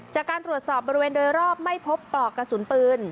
จากการตรวจสอบบริเวณโดยรอบไม่พบปลอกกระสุนปืน